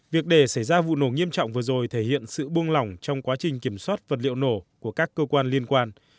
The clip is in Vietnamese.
việc để xảy ra vụ nổ nghiêm trọng vừa rồi thể hiện sự buông lỏng trong quá trình kiểm soát vật liệu nổ của các cơ quan liên quan